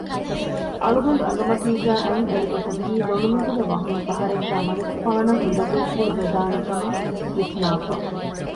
އަޅުގަނޑު އަނގަމަތީގައި އަތްއެޅިގޮތަކީ ލޮނުމެދުގެ ވަހުން ފަހަރެއްގައި މަނިކުފާނަށް އުނދަގޫފުޅު ވެދާނެކަމަށް ވިސްނައިފަ